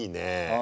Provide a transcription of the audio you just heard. あ。